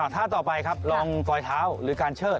ท่าต่อไปครับลองฟรอยเท้าหรือการเชิด